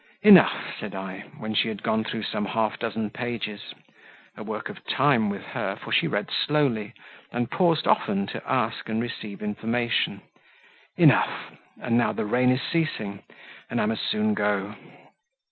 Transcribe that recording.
"Enough," said I, when she had gone through some half dozen pages (a work of time with her, for she read slowly and paused often to ask and receive information) "enough; and now the rain is ceasing, and I must soon go."